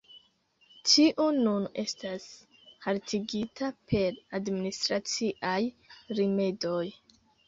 Tio nun estas haltigita per administraciaj rimedoj.